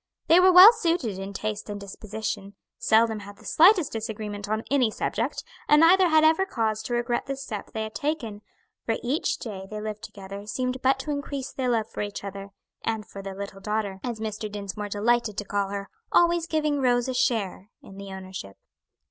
They were well suited in taste and disposition; seldom had the slightest disagreement on any subject, and neither had ever cause to regret the step they had taken, for each day they lived together seemed but to increase their love for each other, and for their little daughter, as Mr. Dinsmore delighted to call her, always giving Rose a share in the ownership.